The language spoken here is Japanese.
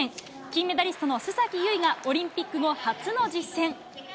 金メダリストの須崎優衣がオリンピック後、初の実戦。